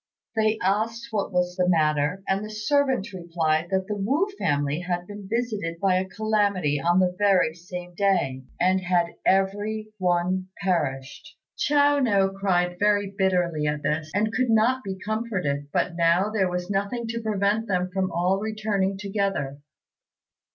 They asked what was the matter, and the servant replied that the Wu family had been visited by a calamity on the very same day, and had every one perished. Chiao no cried very bitterly at this, and could not be comforted; but now there was nothing to prevent them from all returning together.